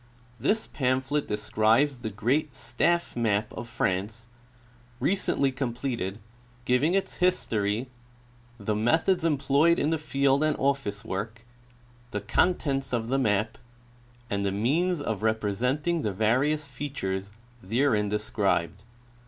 — This pamphlet describes the ^•reat '" Staff Map " of France, recently completed, giving its his tory, the methods employed in the field and office work, the contents of the map, and the means of representing the various ■ features therein described.